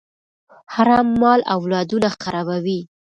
حرام مال اولادونه خرابوي.